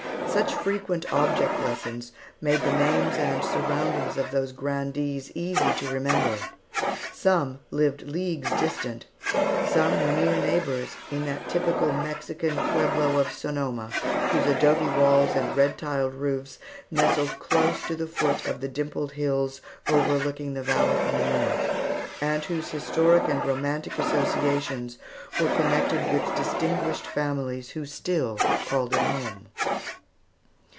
Such frequent object lessons made the names and surroundings of those grandees easy to remember. Some lived leagues distant, some were near neighbors in that typical Mexican Pueblo of Sonoma, whose adobe walls and red tiled roofs nestled close to the foot of the dimpled hills overlooking the valley from the north, and whose historic and romantic associations were connected with distinguished families who still called it home.